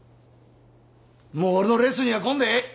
もう俺のレッスンには来んでええ。